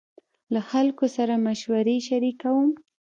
له خلکو سره مشورې شريکوم.